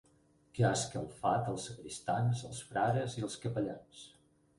...que ha escalfat els sagristans, els frares i els capellans.